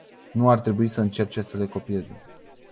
Nu ar trebui să încerce să le copieze.